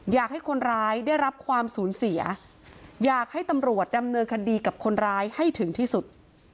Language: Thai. อยากให้คนร้ายได้รับความสูญเสียอยากให้ตำรวจดำเนินคดีกับคนร้ายให้ถึงที่สุด